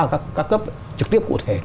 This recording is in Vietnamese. và các cấp trực tiếp cụ thể